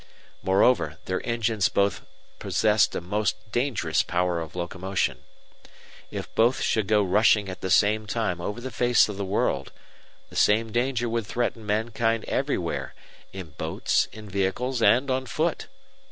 Moreover, their engines both possessed a most dangerous power of locomotion. If both should go rushing at the same time over the face of the world, the same danger would threaten mankind everywhere, in boats, in vehicles, and on foot.